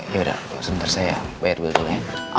yaudah sebentar saya bayar bil dulu ya